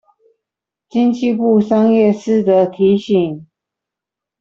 經濟部商業司則提醒